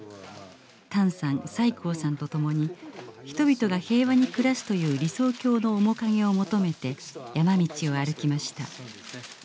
唐さん蔡皋さんと共に人々が平和に暮らすという理想郷の面影を求めて山道を歩きました。